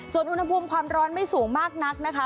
ส่วนอุณหภูมิความร้อนไม่สูงมากนักนะคะ